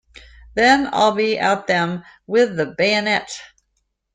Then I'll be at them with the bayonet.